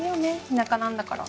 田舎なんだから。